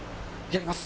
やります？